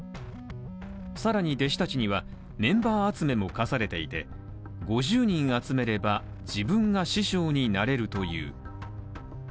更に弟子たちにはメンバー集めも課されていて５０人集めれば、自分が師匠になれるという。